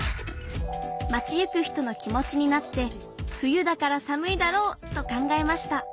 町行く人の気持ちになって冬だから寒いだろうと考えました。